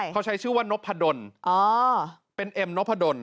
เขาใช้ชื่อว่านพดลเป็นเอ็มนพดล